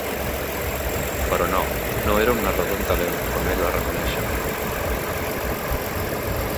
Però no, no era un narrador amb talent, com ell va reconèixer.